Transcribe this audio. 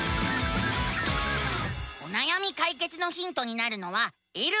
おなやみ解決のヒントになるのは「えるえる」。